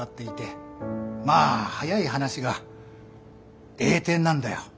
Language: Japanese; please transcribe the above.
まあ早い話が栄転なんだよ。